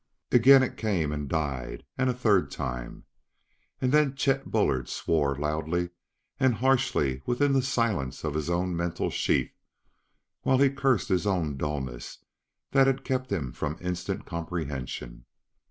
Again it came and died; and a third time. And then Chet Bullard swore loudly and harshly within the silence of his own metal sheath, while he cursed his own dullness that had kept him from instant comprehension.